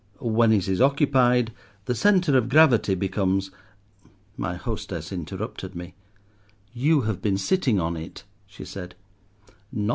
When it is occupied the centre of gravity becomes—" My hostess interrupted me. "You have been sitting on it," she said.